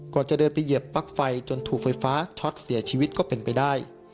จะเดินไปเหยียบปลั๊กไฟจนถูกไฟฟ้าช็อตเสียชีวิตก็เป็นไปได้